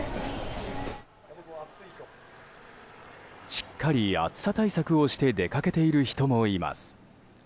しっかり暑さ対策をして出かけている人もいます。